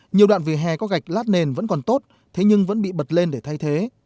nhiều đoạn vỉa hè có gạch lát nền vẫn còn tốt thế nhưng vẫn bị bật lên để thay thế